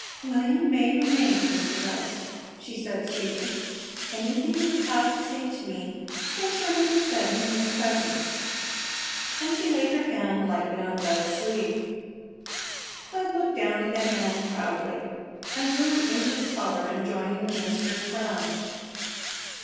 "William may remain, Mr. West," she said, sweetly. "Anything you have to say to me can surely be said in his presence," and she laid her hand lightly on Bud's sleeve. Bud looked down at the hand proudly and grew inches taller enjoying the minister's frown.